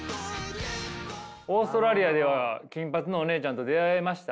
オーストラリアでは金髪のおねえちゃんと出会えました？